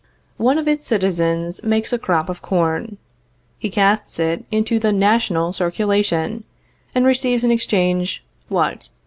One of its citizens makes a crop of corn. He casts it into the national circulation, and receives in exchange what?